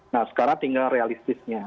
nah sekarang tinggal realistisnya